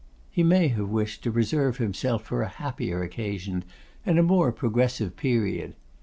He may have wished to reserve himself for a happier occasion, and a more progressive period.